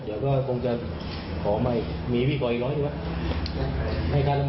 เดี๋ยวก็คงจะขอใหม่มีพี่ขออีกร้อยใช่ป่ะให้ค้ารมันใคร